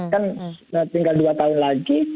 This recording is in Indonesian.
kan tinggal dua tahun lagi